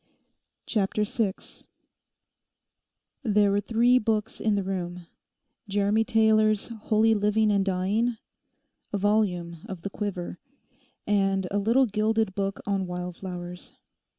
CHAPTER SIX There were three books in the room—Jeremy Taylor's 'Holy Living and Dying,' a volume of the Quiver, and a little gilded book on wildflowers.